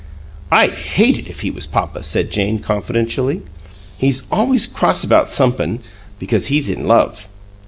"I'd hate it if he was papa," said Jane, confidentially. "He's always cross about somep'm, because he's in love."